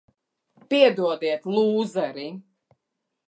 Piedod, lūzeri.